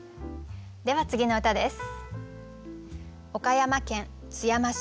では次の歌です。